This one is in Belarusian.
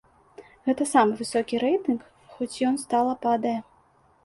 Гэта самы высокі рэйтынг, хоць ён стала падае.